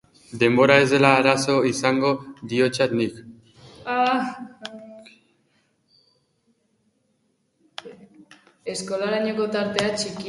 Denbora ez dela arazo izango diotsat nik.